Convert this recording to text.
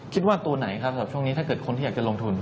คิดว่าตัวไหนครับช่วงนี้ถ้าเกิดคนที่อยากลงทุน